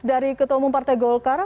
dari ketua umum partai golkar